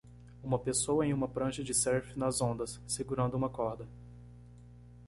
Uma pessoa em uma prancha de surf nas ondas? segurando uma corda.